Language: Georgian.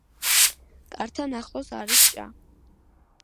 კართან ახლოს არის ჭა.